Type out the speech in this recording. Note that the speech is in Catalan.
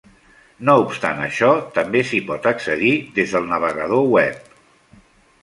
No obstant això, també s'hi pot accedir des del navegador web.